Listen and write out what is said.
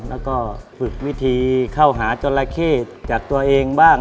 แล้วก็ฝึกวิธีเข้าหาจราเข้จากตัวเองบ้าง